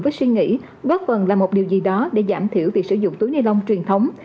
với suy nghĩ góp phần là một điều gì đó để giảm thiểu việc sử dụng túi ni lông truyền thống